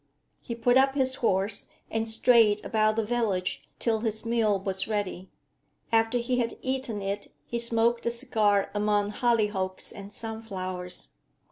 He put up his horse, and strayed about the village till his meal was ready; after he had eaten it he smoked a cigar among hollyhocks and sunflowers.